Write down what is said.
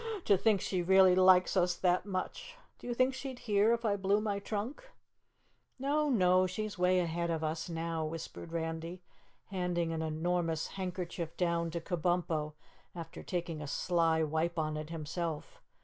To think she really likes us that much! Do you think she'd hear if I blew my trunk?" "No, no, she's way ahead of us now," whispered Randy, handing an enormous handkerchief down to Kabumpo after taking a sly wipe on it himself.